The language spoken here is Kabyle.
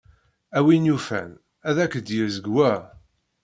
A win yufan, ad ak-d-yezg wa.